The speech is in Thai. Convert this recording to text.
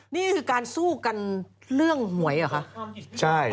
นี่คือการสู้กันเรื่องหวยเหรอคะ